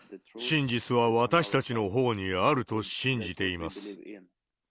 真実は私たちのほうにあると信じています。